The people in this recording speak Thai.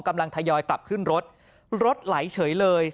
กำลังทะยอยกลับขึ้นรถรถไหลเฉยเลย